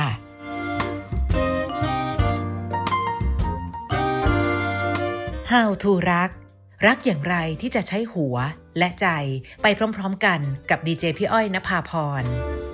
โปรดติดตามตอนต่อไป